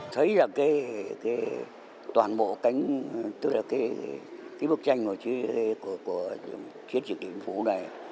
thấy là cái toàn bộ cánh tức là cái bức tranh của chiến dịch địa biên phủ này